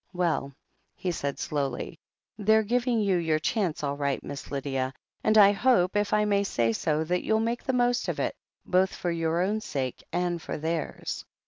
"Well," he said slowly, "they're giving you your chance all right. Miss Lydia. And I hope, if I may say so, that you'll make the most of it, both for your own sake and for theirs."